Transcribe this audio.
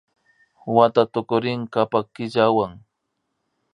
Wata tukurin kapak killawan